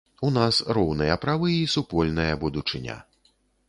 У нас роўныя правы і супольная будучыня.